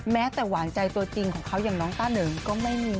แม้แต่หวานใจตัวจริงของเขาอย่างน้องต้าเหนิงก็ไม่มี